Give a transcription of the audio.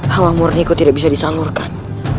hawa murniku tidak bisa disalurkan